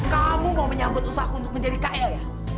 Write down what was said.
kamu mau menyambut usahaku untuk menjadi kak ia ya